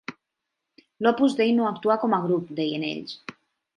"L'Opus Dei no actua com a grup" deien ells.